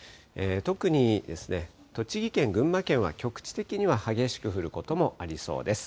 特に栃木県、群馬県は局地的には激しく降ることもありそうです。